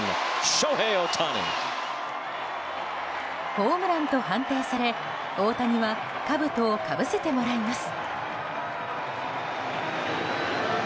ホームランと判定され大谷はかぶとをかぶせてもらいます。